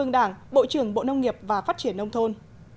ương đảng bộ trưởng bộ nông nghiệp và phát triển nông thôn